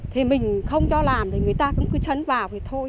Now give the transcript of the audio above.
thì mình không cho làm thì người ta cũng cứ chấn vào thì thôi